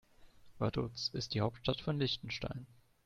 Vaduz ist die Hauptstadt von Liechtenstein.